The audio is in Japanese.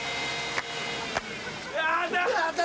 やった！